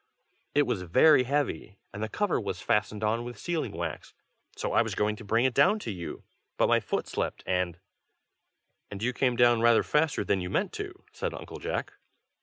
It was very heavy, and the cover was fastened on with sealing wax, so I was going to bring it down to you; but my foot slipped, and " "And you came down rather faster than you meant to?" said Uncle Jack.